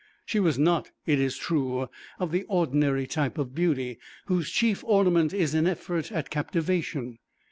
She was not, it is true, of the ordinary type of beauty, whose chief ornament is an effort at captivation.